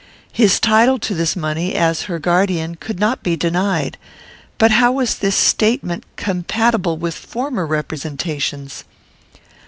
His title to this money, as her guardian, could not be denied. But how was this statement compatible with former representations?